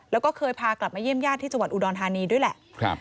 แล้วก็เคยพากลับมาเยี่ยมญาติที่จังหวัดอุดรธานีด้วยแหละ